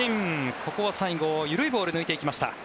ここは最後緩いボール、抜いていきました。